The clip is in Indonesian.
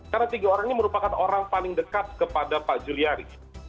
karena tiga orang ini merupakan orang paling dekat kepada pak juliari